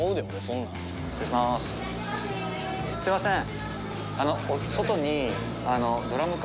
すいません。